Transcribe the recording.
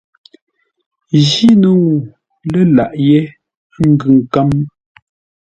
Jíno ŋuu lə́ laghʼ yé ngʉ nkə̌m.